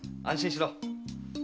安心しろ。